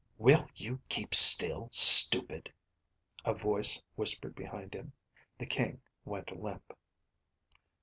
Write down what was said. "Will you keep still, stupid?" a voice whispered behind him. The King went limp.